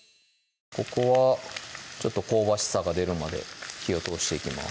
ここはちょっと香ばしさが出るまで火を通していきます